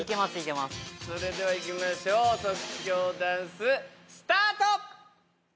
それではいきましょう即興ダンススタート！